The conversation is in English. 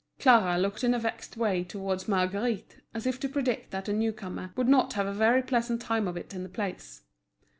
Clara looked in a vexed way towards Marguerite, as if to predict that the new comer would not have a very pleasant time of it in the place.